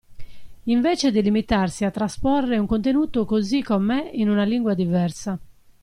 Invece di limitarsi a trasporre un contenuto così com'è in una lingua diversa.